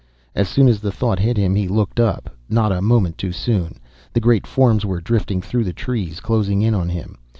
As soon as the thought hit him he looked up not a moment too soon. The great forms were drifting through the trees, closing in on him.